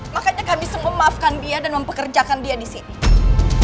makanya kami semua memaafkan dia dan mempekerjakan dia di sini